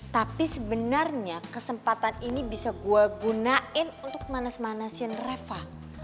tapi sebenarnya kesempatan ini bisa gue gunain untuk manas manasin reva